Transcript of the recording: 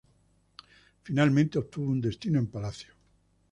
Finalmente obtuvo un destino en Palacio.